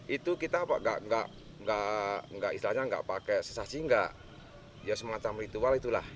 itu kita enggak pakai sesaji enggak semacam ritual itulah